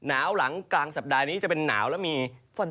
หลังกลางสัปดาห์นี้จะเป็นหนาวแล้วมีฝน